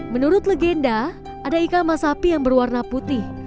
menurut legenda ada ikan masapi yang berwarna putih